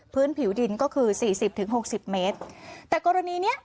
พื้นผิวดินก็คือสี่สิบถึงหกสิบเมตรแต่กรณีเนี้ย